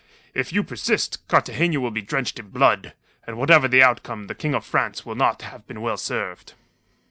If you persist, Cartagena will be drenched in blood, and whatever the outcome the King of France will not have been well served."